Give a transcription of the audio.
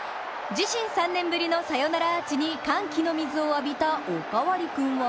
自身３年ぶりのサヨナラアーチに歓喜の水を浴びたおかわり君は？